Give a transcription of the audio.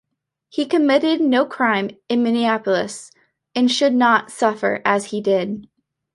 He committed no crime in Minneapolis and should not suffer as if he did.